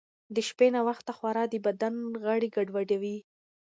د شپې ناوخته خورا د بدن غړي ګډوډوي.